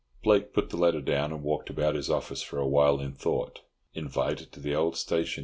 Blake put the letter down and walked about his office for a while in thought. "Invited to the old station?"